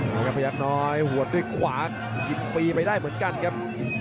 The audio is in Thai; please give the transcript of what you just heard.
แล้วก็พยายามน้อยหัวด้วยขวายิ้มปีไปได้เหมือนกันครับ